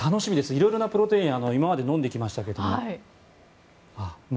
いろいろなプロテインを今まで飲んできましたけども。